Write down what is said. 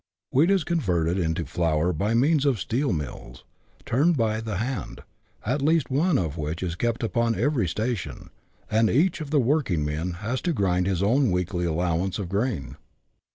"Wheat is converted into flour by means of steel mills, turned by the hand, at least one of which is kept upon every station, and each of the working men has to grind his own weekly allow ance of grain.